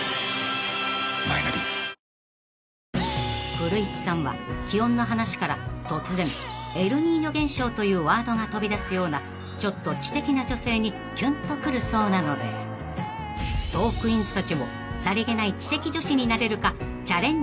［古市さんは気温の話から突然エルニーニョ現象というワードが飛び出すようなちょっと知的な女性にキュンとくるそうなのでトークィーンズたちもさりげない］